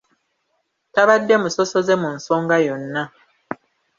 Tabadde musosoze mu nsonga yonna.